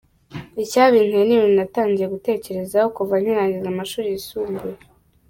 Icyabinteye n’ibintu natangiye gutekerezaho kuva nkirangiza amashuri yisumbuye.